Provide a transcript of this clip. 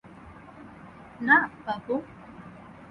না, বাবু।